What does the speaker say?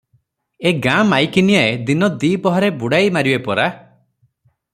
ଏ ଗାଁ ମାଈକିନିଆଏ ଦିନ ଦିପହରେ ବୁଡ଼ାଇମାରିବେ ପରା ।